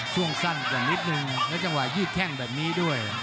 ช่วงสั้นกว่านิดนึงแล้วจังหวะยืดแข้งแบบนี้ด้วย